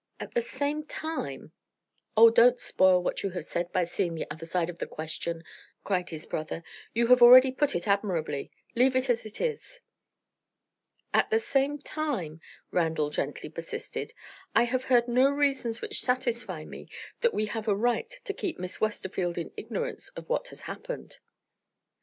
At the same time " "Oh, don't spoil what you have said by seeing the other side of the question!" cried his brother "You have already put it admirably; leave it as it is." "At the same time," Randal gently persisted, "I have heard no reasons which satisfy me that we have a right to keep Miss Westerfield in ignorance of what has happened."